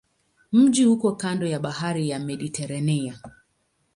Mji uko kando ya bahari ya Mediteranea.